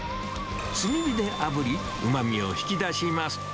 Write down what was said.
炭火であぶり、うまみを引き出します。